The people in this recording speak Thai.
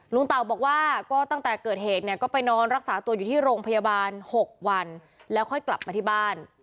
เต่าบอกว่าก็ตั้งแต่เกิดเหตุเนี่ยก็ไปนอนรักษาตัวอยู่ที่โรงพยาบาล๖วันแล้วค่อยกลับมาที่บ้าน